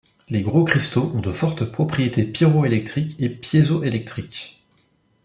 Les gros cristaux ont de fortes propriétés pyroélectriques et piézoélectriques.